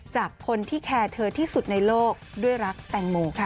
จากคนที่แคร์เธอที่สุดในโลกด้วยรักแตงโมค่ะ